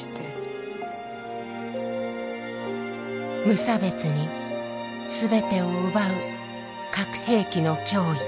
無差別に全てを奪う核兵器の脅威。